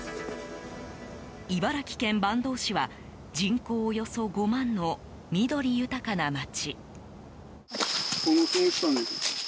茨城県坂東市は人口およそ５万の緑豊かな街。